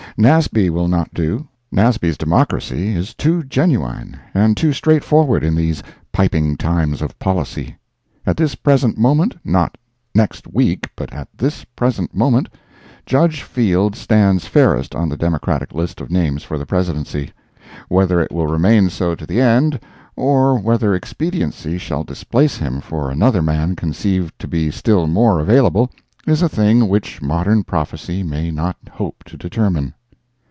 Nasby will not do. Nasby's Democracy is too genuine and too straightforward in these piping times of policy. At this present moment—not next week, but at this present moment—Judge Field stands fairest on the Democratic list of names for the Presidency. Whether it will remain so to the end, or whether expediency shall displace him for another man conceived to be still more available, is a thing which modern prophecy may not hope to determine.